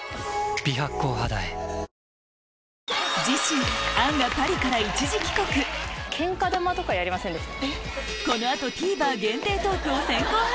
次週杏がパリから一時帰国けんか球とかやりませんでした？